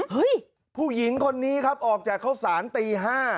ผู้หญิงคนนี้ครับออกจากข้าวสารตี๕